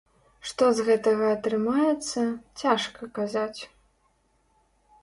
Што з гэтага атрымаецца, цяжка казаць.